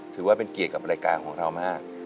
ถือว่าเป็นเกียรติกับรายการของเรามาก